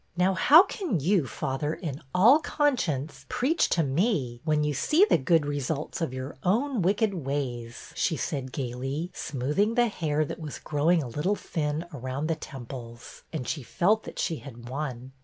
'' Now how can you, father, in all conscience, preach to me, when you see the good results of your own wicked ways? " she said gayly, smooth IN THE STUDY 267 ing the hair that was growing a little thin around the temples, and she felt that she had won.